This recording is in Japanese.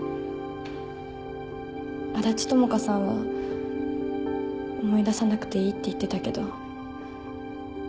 安達智花さんは思い出さなくていいって言ってたけど。